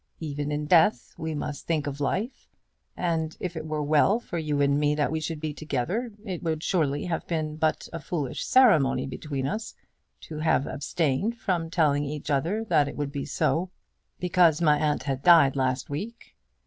Even in death we must think of life, and if it were well for you and me that we should be together, it would surely have been but a foolish ceremony between us to have abstained from telling each other that it would be so because my aunt had died last week.